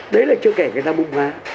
đấy là chưa kể người ta bùng hóa